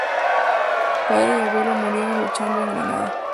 Padre y abuelo murieron luchando en Granada.